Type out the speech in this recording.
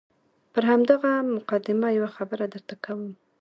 پر همدغه مقدمه یوه خبره درته کوم.